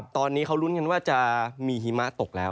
ตอนนี้เขาลุ้นกันว่าจะมีหิมะตกแล้ว